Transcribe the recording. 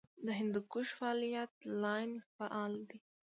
د هندوکش فالټ لاین فعال دی